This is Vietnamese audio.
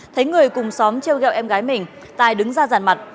thấy người cùng xóm treo gẹo em gái mình tài đứng ra giàn mặt